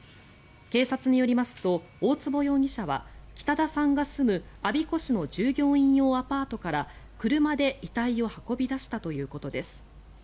警察によりますと大坪容疑者は北田さんが住む我孫子市の従業員用アパートから車で遺体を運び出したということです。